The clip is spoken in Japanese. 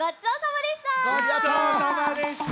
ごちそうさまでした！